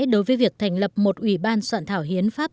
đối với việc thành lập một ủy ban soạn thảo hiến pháp